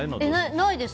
ないです。